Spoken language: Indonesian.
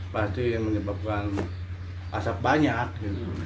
pasti menyebabkan asap banyak